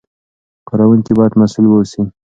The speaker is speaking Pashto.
کاروونکي باید مسوول واوسي.